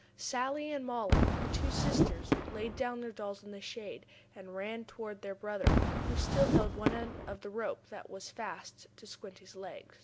Sallie and Mollie, the two sisters, laid down their dolls in the shade, and ran over toward their brother, who still held one end of the rope, that was fast to Squinty's leg.